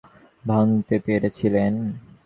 তোমার বাবা কি সহজে আমার আচার ভাঙতে পেরেছিলেন?